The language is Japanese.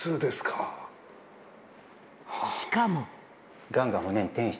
しかも。